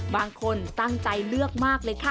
บางคนตั้งใจเลือกมากเลยค่ะ